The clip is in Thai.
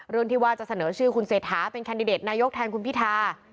ที่ว่าจะเสนอชื่อคุณเศรษฐาเป็นแคนดิเดตนายกแทนคุณพิธา